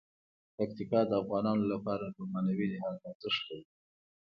پکتیکا د افغانانو لپاره په معنوي لحاظ ارزښت لري.